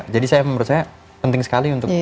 jadi saya menurut saya penting sekali untuk